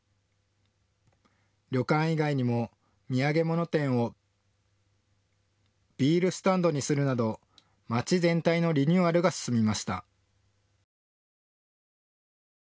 旅館以外にも土産物店をビールスタンドにするなど町全体のリニューアルが進みました。